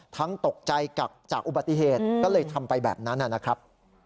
ตกใจกักจากอุบัติเหตุก็เลยทำไปแบบนั้นนะครับ